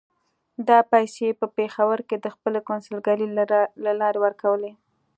دا پیسې یې په پېښور کې د خپلې کونسلګرۍ له لارې ورکولې.